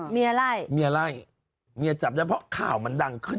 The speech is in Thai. เมียไล่เมียไล่เมียจับได้เพราะข่าวมันดังขึ้น